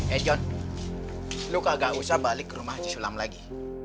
eh jon lo kagak usah balik ke rumah haji sulam lagi